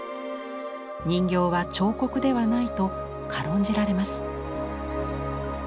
人形は彫刻ではないと軽んじられます。